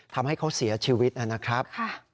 ทำให้เขาเสียชีวิตนะครับ